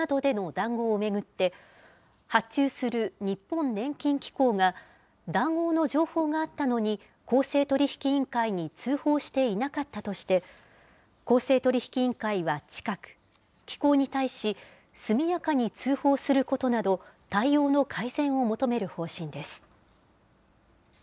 ねんきん定期便の印刷や発送の入札などでの談合を巡って、発注する日本年金機構が談合の情報があったのに、公正取引委員会に通報していなかったとして、公正取引委員会は近く、機構に対し速やかに通報することなど、対応の改善を求める方針です。